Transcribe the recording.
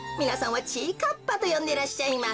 はちぃかっぱとよんでらっしゃいます。